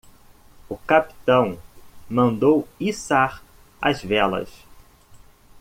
O capitão mandou içar as velas.